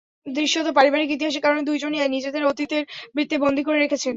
দৃশ্যত পারিবারিক ইতিহাসের কারণে দুজনই নিজেদের অতীতের বৃত্তে বন্দী করে রেখেছেন।